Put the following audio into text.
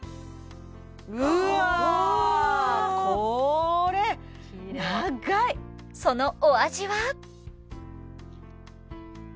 うわこれそのお味は？